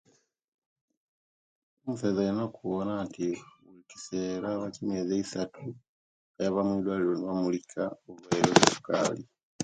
Omusaiza Alina okuwona nti omukiseera ekyemyezi emisatu , ayaba omuidwaliro nebamumulika obulwaire obwasukaali.